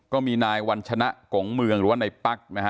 ก็มีนายวัญชนะกงเมืองหรือว่าในปั๊กนะฮะ